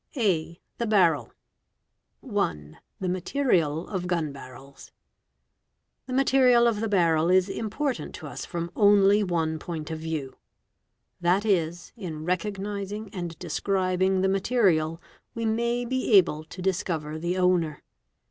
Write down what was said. a, The Barrel. (1) The material of Gun barrels. The material of the barrel is important to us from only one point of view; that is, in recognising and describing the material we may be able to discover the owner.